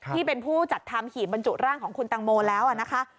ที่เป็นผู้จัดทำหีบบรรจุร่างของคุณตังโมแล้วนะคะ